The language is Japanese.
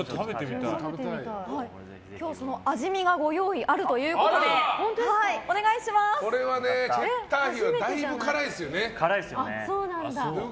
今日味見がご用意あるということでチェッターヒンはだいぶ辛いですよね。